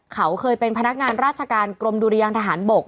เขาเคยเป็นพนักงานราชการกรมดุรยางทหารบก